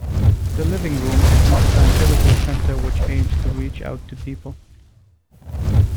The Living Rooms is an evangelical centre which aims to reach out to people.